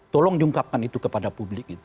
tolong diungkapkan itu kepada publik